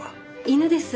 犬です。